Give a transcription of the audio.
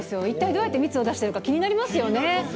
一体どうやって蜜を出してるか、気になりますよね。